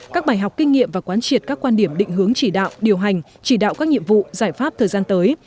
các bài học kinh nghiệm và quán triệt các quan điểm định hướng chỉ đạo điều hành chỉ đạo các nhiệm vụ giải pháp thời gian tới